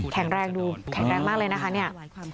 แข็งแรงดูแข็งแรงมากเลยนะคะเนี่ย